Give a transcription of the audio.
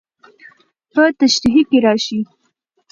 په تشريحي کې راشي.